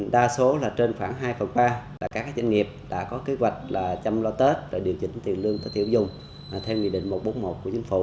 đa số là trên khoảng hai phần ba là các doanh nghiệp đã có kế hoạch chăm lo tết rồi điều chỉnh tiền lương tết tiêu dùng theo nghị định một trăm bốn mươi một của chính phủ